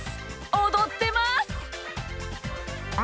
おどってます！